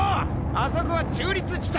あそこは中立地帯。